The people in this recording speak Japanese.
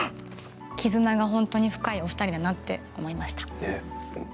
絆が本当に深いお二人だなって思いました。